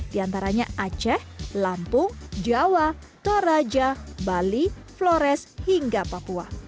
di antaranya aceh lampung jawa toraja bali flores hingga papua